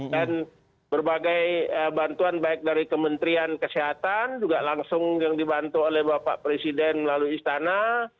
dan berbagai bantuan baik dari kementerian kesehatan juga langsung yang dibantu oleh bapak presiden melalui istana